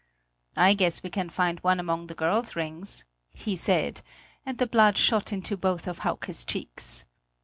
"I guess we can find one among the girls' rings" he said, and the blood shot into both of Hauke's cheeks.